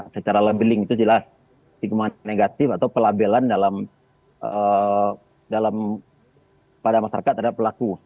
secara labeling itu jelas stigma negatif atau pelabelan dalam pada masyarakat terhadap pelaku